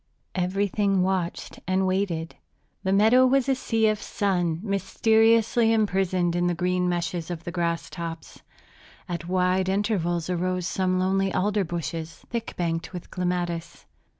Everything watched and waited. The meadow was a sea of sun mysteriously imprisoned in the green meshes of the grass tops. At wide intervals arose some lonely alder bushes, thick banked with clematis.